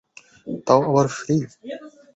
তাও আবার ফ্রি।